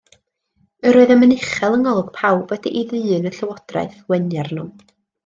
Yr oeddem yn uchel yng ngolwg pawb wedi i ddyn y llywodraeth wenu arnom.